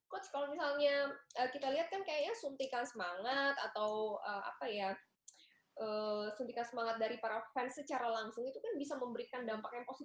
coach kalau misalnya kita lihat kan kayaknya suntikan semangat atau apa ya suntikan semangat dari para fans secara langsung itu kan bisa memberikan dampak yang positif